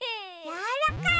やわらかい！